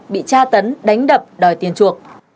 bị tra tấn đánh đập đòi tiền chuộc